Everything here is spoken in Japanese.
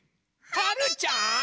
はるちゃん！